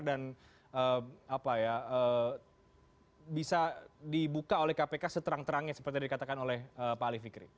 bisa dibuka oleh kpk seterang terangnya seperti yang dikatakan oleh pak ali fikri